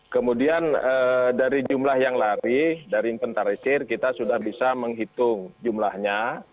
kemudian dari jumlah yang lari dari inventarisir kita sudah bisa menghitung jumlahnya